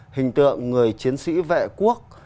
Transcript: hình tượng người chiến sĩ vệ quốc